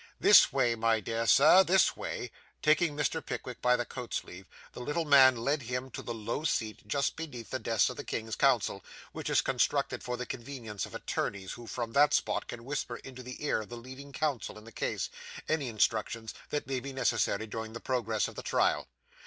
This way, my dear sir, this way.' Taking Mr. Pickwick by the coat sleeve, the little man led him to the low seat just beneath the desks of the King's Counsel, which is constructed for the convenience of attorneys, who from that spot can whisper into the ear of the leading counsel in the case, any instructions that may be necessary during the progress of the trial.